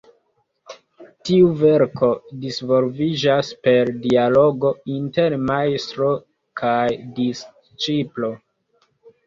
Tiu verko disvolviĝas per dialogo inter majstro kaj disĉiplo.